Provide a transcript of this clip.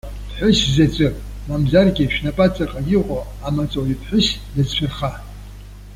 Ԥҳәыс заӡәык, мамзаргьы шәнапаҵаҟа иҟоу амаҵуҩԥҳәыс дазшәырха.